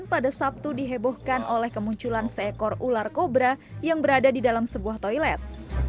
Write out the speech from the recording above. pada sabtu dihebohkan oleh kemunculan seekor ular kobra yang berada di dalam sebuah toilet